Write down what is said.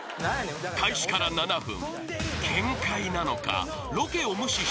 ［開始から７分］